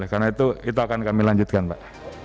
karena itu itu akan kami lanjutkan pak